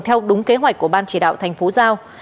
theo đúng kế hoạch của ban chỉ đạo thành phố giao